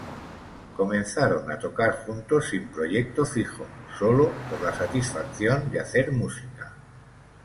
Comenzaron a tocar juntos sin proyecto fijo, sólo por la satisfacción de hacer música.